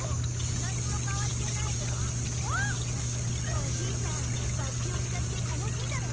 おじいちゃんバッジを使って楽しんだね。